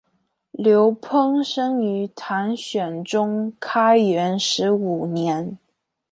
刘怦生于唐玄宗开元十五年。